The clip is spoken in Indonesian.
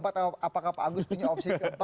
apakah pak agus punya opsi ke empat